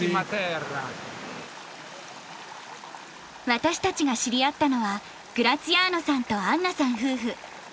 私たちが知り合ったのはグラツィアーノさんとアンナさん夫婦。